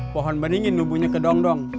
pohon beningin lubunya ke dong dong